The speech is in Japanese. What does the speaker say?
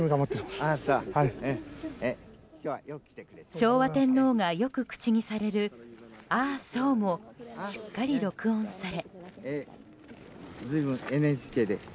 昭和天皇がよく口にされる「ああ、そう」もしっかり録音され。